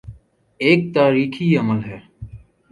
ایک تاریخی عمل ہے۔